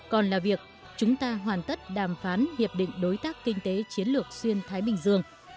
còn là việc chúng ta hoàn tất đàm phán hiệp định đối tác kinh tế chiến lược xuyên thái bình dương